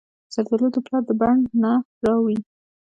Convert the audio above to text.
زردالو د پلار د بڼ نه راوړي.